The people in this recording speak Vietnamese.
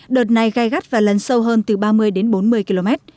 đợt này gây gắt và lần sâu hơn từ ba mươi đến bốn mươi km